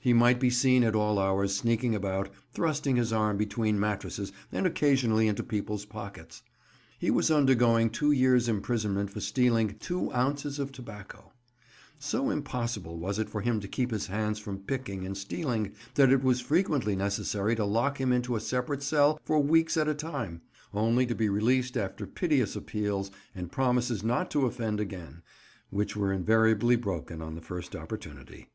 He might be seen at all hours sneaking about, thrusting his arm between mattresses and occasionally into people's pockets. He was undergoing two years' imprisonment for stealing two ounces of tobacco. So impossible was it for him to keep his hands from picking and stealing that it was frequently necessary to lock him into a separate cell for weeks at a time, only to be released after piteous appeals and promises not to offend again, which were invariably broken on the first opportunity.